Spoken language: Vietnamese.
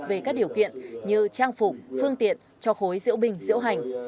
về các điều kiện như trang phục phương tiện cho khối diễu binh diễu hành